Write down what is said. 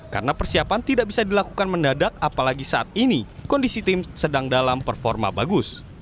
karena persiapan tidak bisa dilakukan mendadak apalagi saat ini kondisi tim sedang dalam performa bagus